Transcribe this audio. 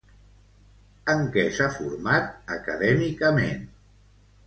En què s'ha format acadèmicament?